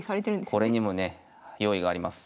これにもね用意があります。